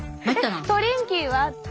えっトリンキーは？